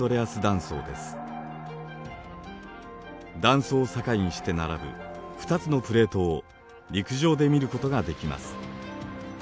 断層を境にして並ぶ２つのプレートを陸上で見ることができます。